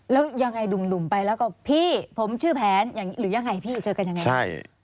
แล้วยังไงหนุ่มไปแล้วก็พี่ผมชื่อแผนอย่างนี้หรือยังไงพี่เจอกันยังไงใช่